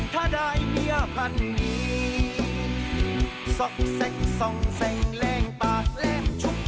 ถ้าได้เมียพันนี้ส่องแสงแรงปากเล่มชุบ